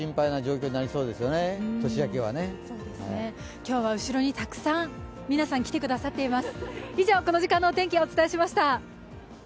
今日は後ろにたくさん、皆さん来てくださっています！